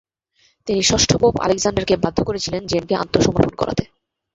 তিনি ষষ্ঠ পোপ আলেকজান্ডারকে বাধ্য করেছিলেন জেমকে আত্মসমর্পণ করাতে।